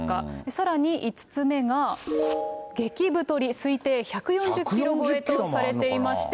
さらに５つ目が激太り、推定１４０キロ超えと推定されていまして。